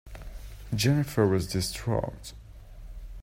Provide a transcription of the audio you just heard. Jennifer was distraught.